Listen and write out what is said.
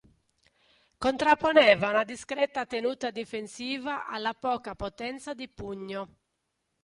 Contrapponeva una discreta tenuta difensiva alla poca potenza di pugno.